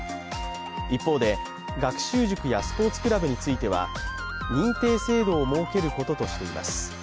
一方で、学習塾やスポーツクラブについては認定制度を設けることとしています。